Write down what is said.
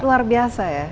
luar biasa ya